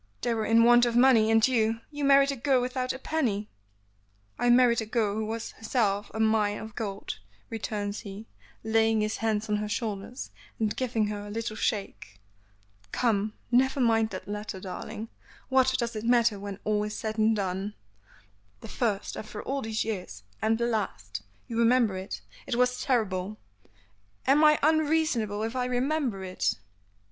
"They were in want of money, and you you married a girl without a penny." "I married a girl who was in herself a mine of gold," returns he, laying his hands on her shoulders and giving her a little shake. "Come, never mind that letter, darling; what does it matter when all is said and done?" "The first after all these years; and the, last you remember it? It was terrible. Am I unreasonable if I remember it?"